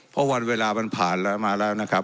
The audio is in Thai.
เพราะวันเวลามันผ่านแล้วมาแล้วนะครับ